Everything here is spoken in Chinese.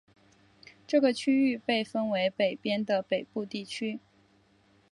这个区域被分为北边的北部地区。